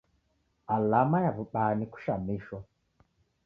Alama ya w'ubaa ni kushamishwa